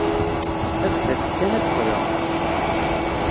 Tadqiqt kan ad d-qqleɣ.